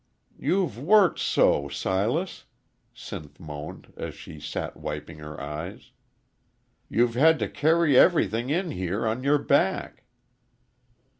"You've worked so, Silas," Sinth moaned, as she sat wiping her eyes. "You've had to carry ev'rything in here on your back."